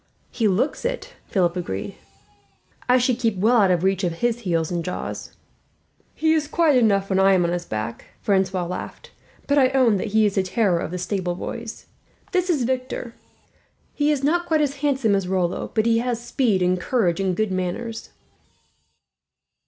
"He looks it," Philip agreed. "I should keep well out of reach of his heels and jaws." "He is quiet enough when I am on his back," Francois laughed; "but I own that he is the terror of the stable boys. "This is Victor. He is not quite as handsome as Rollo, but he has speed and courage and good manners."